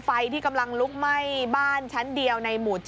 ไฟที่กำลังลุกไหม้บ้านชั้นเดียวในหมู่๗